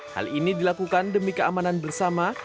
hal ini dilakukan demi keamanan bersama